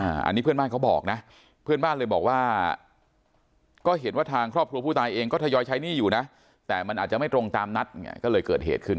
อันนี้เพื่อนบ้านเขาบอกนะเพื่อนบ้านเลยบอกว่าก็เห็นว่าทางครอบครัวผู้ตายเองก็ทยอยใช้หนี้อยู่นะแต่มันอาจจะไม่ตรงตามนัดไงก็เลยเกิดเหตุขึ้น